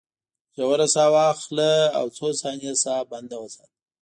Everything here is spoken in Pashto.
ژوره ساه واخله او څو ثانیې ساه بنده وساته.